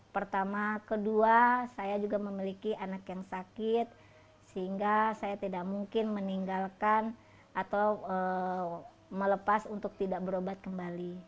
pertama kedua saya juga memiliki anak yang sakit sehingga saya tidak mungkin meninggalkan atau melepas untuk tidak berobat kembali